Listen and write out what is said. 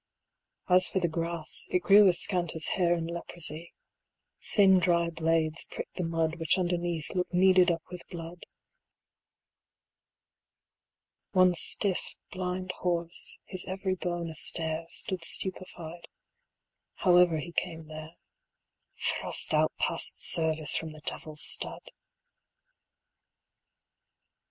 As for the grass, it grew as scant as hair In leprosy; thin dry blades pricked the mud Which underneath looked kneaded up with blood. 75 One stiff blind horse, his every bone a stare, Stood stupefied, however he came there; Thrust out past service from the devil's stud!